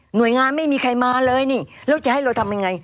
หน่วยงานไม่มีใครมาเลยนี่แล้วจะให้เราทำยังไง